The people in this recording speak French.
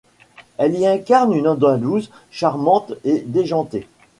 Elle y incarne une Andalouse charmante et déjantée.